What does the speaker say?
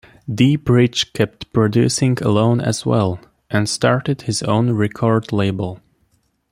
D-Bridge kept producing alone as well, and started his own record label.